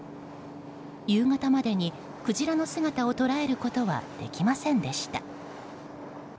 夕方までにクジラの姿を捉えることはできませんでした。